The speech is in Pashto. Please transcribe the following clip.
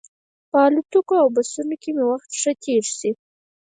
په الوتکو او بسونو کې مې وخت ښه تېر شي.